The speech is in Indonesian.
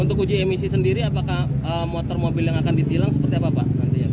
untuk uji emisi sendiri apakah motor mobil yang akan ditilang seperti apa pak